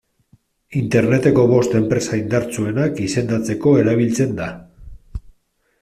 Interneteko bost enpresa indartsuenak izendatzeko erabiltzen da.